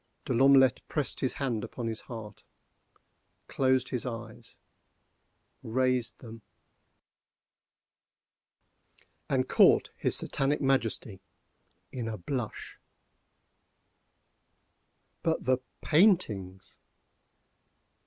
De L'Omelette pressed his hand upon his heart, closed his eyes, raised them, and caught his Satanic Majesty—in a blush. But the paintings!